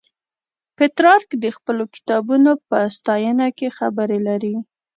پترارک د خپلو کتابونو په ستاینه کې خبرې لري.